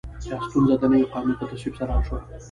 دا ستونزه د نوي قانون په تصویب سره حل شوه.